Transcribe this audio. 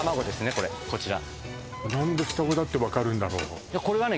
これこちら何で双子だってわかるんだろうこれがね